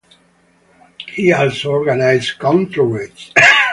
He also organized counter-raids.